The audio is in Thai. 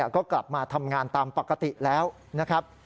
ก็กลับมาทำงานตามปกติแล้วนะครับ